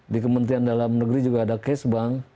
di kementerian dalam negeri juga ada ksb